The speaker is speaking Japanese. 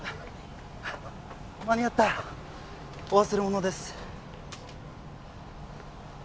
間に合ったお忘れ物です